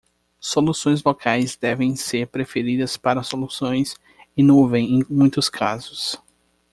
Soluções locais devem ser preferidas para soluções em nuvem em muitos casos.